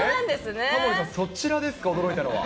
タモリさん、そっちですか、驚いたのは。